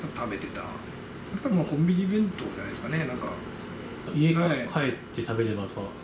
たぶん、コンビニ弁当じゃないですかね。